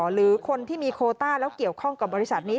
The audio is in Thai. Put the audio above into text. หรือคนที่มีโคต้าแล้วเกี่ยวข้องกับบริษัทนี้